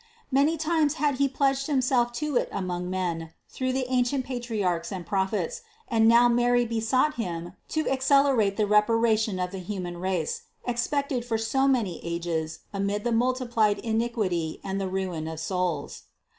Many( times had He pledged Himself to it among men through the ancient Patriarchs and Prophets and now Mary be sought Him to accelerate the reparation of the human race, expected for so many ages amid the multiplied iniquity and the ruin of souls.